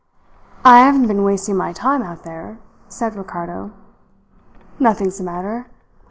"I haven't been wasting my time out there," said Ricardo. "Nothing's the matter.